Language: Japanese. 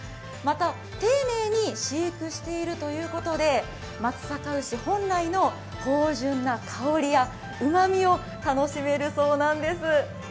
また、丁寧に飼育しているということで松阪牛本来の芳じゅんな香りやうまみを楽しめるそうなんです。